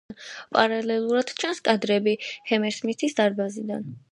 პარალელურად ჩანს კადრები ჰამერსმითის დარბაზიდან.